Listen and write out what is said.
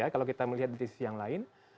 kalau kita melihat di sisi yang lain